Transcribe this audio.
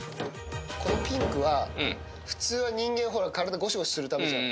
このピンクは普通は人間、ほら、体ごしごしするためじゃん。